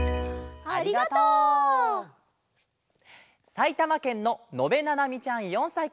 さいたまけんののべななみちゃん４さいから。